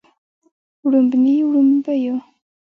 وړومبني وړومبيو